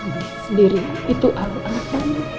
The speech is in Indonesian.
lihat sendiri itu al anak al